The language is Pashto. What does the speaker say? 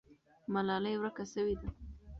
ملالۍ ورکه سوې ده.